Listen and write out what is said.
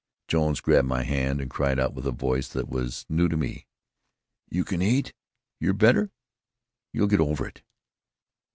Jones grabbed my hand and cried out with a voice that was new to me: "You can eat? You're better? You'll get over it?"